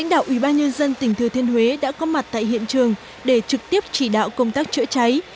nhân dân tỉnh thừa thiên huế đã có mặt tại hiện trường để trực tiếp chỉ đạo công tác chữa cháy